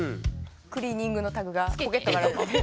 クリーニングのタグがポケットから。